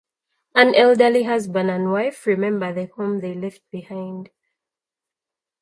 An elderly husband and wife remember the home they left behind.